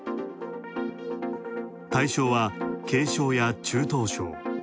対象は軽症や中等症。